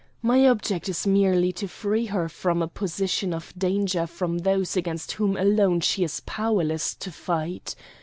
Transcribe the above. My object is merely to free her from a position of danger from those against whom alone she is powerless to fight.